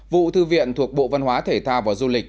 vụ thư viện thuộc bộ văn hóa thể thao và du lịch